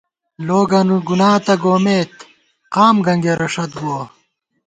لوگنہ گناہ تہ گومېت قام گنگېرہ ݭت بُوَہ